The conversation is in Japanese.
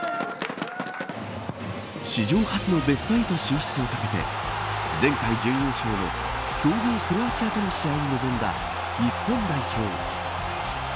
史上初のベスト８進出をかけて前回準優勝の強豪クロアチアとの試合に臨んだ日本代表。